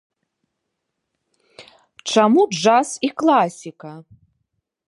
Чаму джаз і класіка?